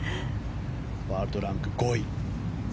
ワールドランク５位。